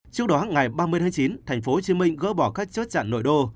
trước đó ngày ba mươi tháng chín tp hcm gỡ bỏ các chốt chặn nội đô